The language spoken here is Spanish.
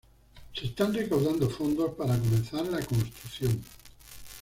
Se están recaudando fondos para comenzar la construcción.